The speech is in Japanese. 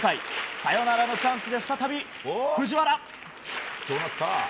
サヨナラのチャンスで再び藤原。